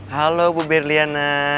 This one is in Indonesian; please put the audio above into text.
halo bu berliana